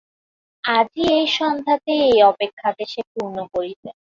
আজই এই সন্ধ্যাতেই এই অপেক্ষাকে সে পূর্ণ করিবে।